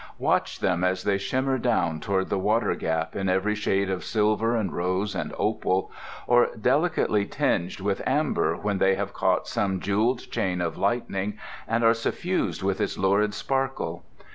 Watch them as they shimmer down toward the Water Gap in every shade of silver and rose and opal; or delicately tinged with amber when they have caught some jewelled chain of lightning and are suffused with its lurid sparkle.